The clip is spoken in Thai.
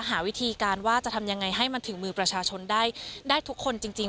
หาวิธีการว่าจะทำยังไงให้มันถึงมือประชาชนได้ทุกคนจริง